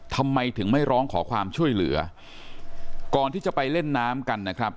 ทำไมถึงไม่ร้องขอความช่วยเหลือก่อนที่จะไปเล่นน้ำกันนะครับ